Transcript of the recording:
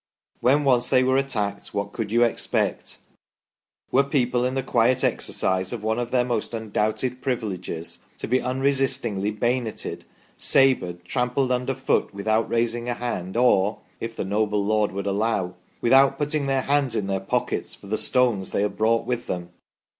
When once they were attacked, what could you expect ? Were people in the quiet exercise of one of their most undoubted privileges to be unresistingly bayonetted, sabred, trampled underfoot, without raising a hand, or (if the noble lord would allow) without putting their hands in their pockets for the stones they had brought with them